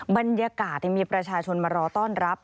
บรรยากาศมีประชาชนมารอต้อนรับ